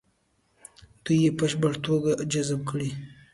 دوی یې په بشپړه توګه جذب کړي.